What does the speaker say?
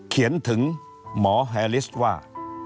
เขียนถึงหมอแฮลิสว่า